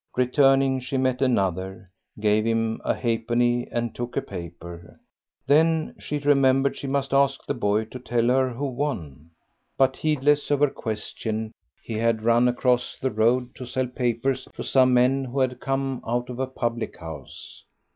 Returning, she met another, gave him a half penny and took a paper. Then she remembered she must ask the boy to tell her who won. But heedless of her question he had run across the road to sell papers to some men who had come out of a public house.